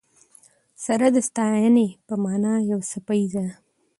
سره د ستاینې په مانا یو څپیزه ده.